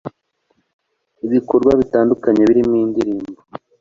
ibikorwa bitandukanye birimo indirimbo